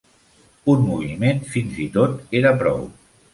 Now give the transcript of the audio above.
Un moviment fins i tot era prou.